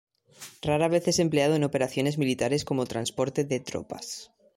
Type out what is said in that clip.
Rara vez es empleado en operaciones militares como transporte de tropas.